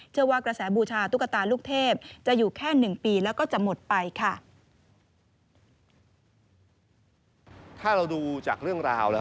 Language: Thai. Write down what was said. ว่ากระแสบูชาตุ๊กตาลูกเทพจะอยู่แค่หนึ่งปีแล้วก็จะหมดไปค่ะ